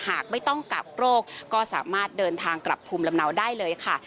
หากไม่ต้องกักโรคก็สามารถเดินทางกลับภูมิลำเนาได้เลยค่ะ